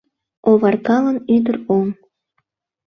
— Оваргалын ӱдыр оҥ